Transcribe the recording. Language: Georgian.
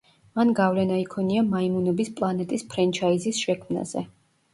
მან გავლენა იქონია მაიმუნების პლანეტის ფრენჩაიზის შექმნაზე.